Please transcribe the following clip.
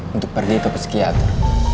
untuk pergi ke peskihata